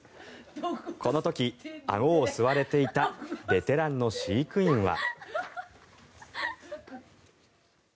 この時、あごを吸われていたベテランの飼育員は。